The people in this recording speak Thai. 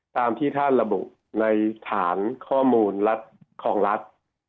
ตามที่ท่านระบุในฐานข้อมูลรัฐของรัฐ